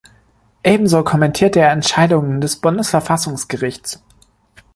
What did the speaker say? Ebenso kommentierte er Entscheidungen des Bundesverfassungsgerichts.